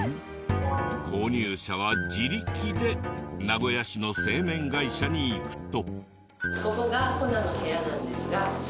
購入者は自力で名古屋市の製麺会社に行くと。